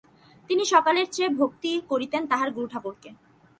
তিনি সকলের চেয়ে ভক্তি করিতেন তাঁহার গুরুঠাকুরকে।